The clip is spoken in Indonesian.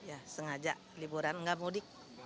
ya sengaja liburan nggak mudik